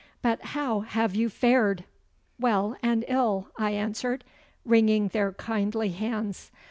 But how have you fared?' 'Well and ill,' I answered, wringing their kindly hands.